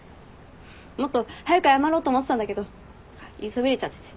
もっと早く謝ろうと思ってたんだけど言いそびれちゃってて。